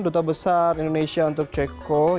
duta besar indonesia untuk ceko